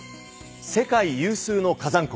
世界有数の火山国